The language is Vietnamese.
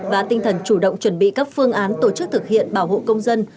và tinh thần chủ động chuẩn bị các phương án tổ chức thực hiện bảo hộ công dân